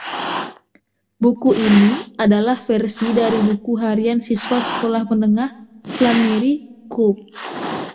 Buku ini adalah versi dari buku harian siswa sekolah menengah Flannery Culp.